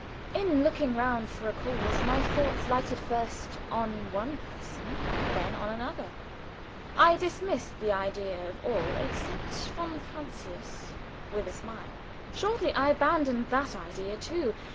In looking round for a cause my thoughts lighted first on one person, then on another; I dismissed the idea of all, except von Francius, with a smile. Shortly I abandoned that idea too.